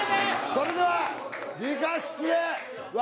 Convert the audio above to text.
それでは理科室へ笑